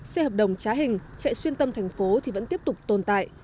xe hợp đồng trá hình chạy xuyên tâm thành phố thì vẫn tiếp tục tồn tại